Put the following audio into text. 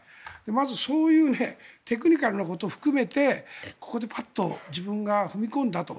まず、そういうテクニカルなことを含めてここでパッと自分が踏み込んだと。